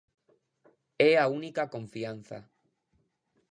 É a única confianza.